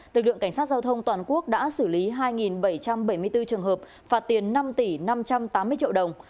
lực lượng cảnh sát giao thông toàn quốc đã xử lý hai bảy trăm bảy mươi bốn trường hợp phạt tiền năm tỷ năm trăm tám mươi triệu đồng